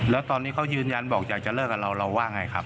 แล้วตอนนี้เขายืนยันบอกอยากจะเลิกกับเราเราว่าไงครับ